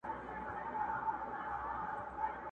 تر ده مزنګه پوري تلم